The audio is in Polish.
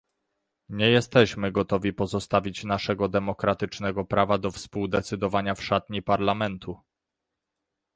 Nie jesteśmy gotowi pozostawić naszego demokratycznego prawa do współdecydowania w szatni Parlamentu